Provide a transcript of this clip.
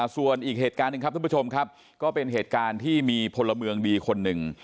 ส่วนอีกเหตุการณ์หนึ่งครับท่านผู้ชมครับก็เป็นเหตุการณ์ที่มีพลเมืองดีคนหนึ่ง